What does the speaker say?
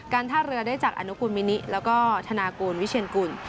ท่าเรือได้จากอนุกูลมินิแล้วก็ธนากูลวิเชียนกุล